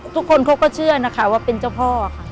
ทุกคนเขาก็เชื่อนะคะว่าเป็นเจ้าพ่อค่ะ